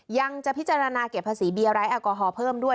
ยังจะพิจารณาเก็บภาษีเบียร์ไร้แอลกอฮอล์เพิ่มด้วย